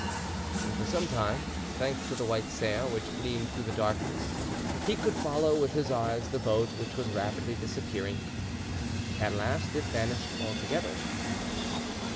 And for some time, thanks to the white sail which gleamed through the darkness, he could follow with his eyes the boat which was rapidly disappearing; at last it vanished altogether.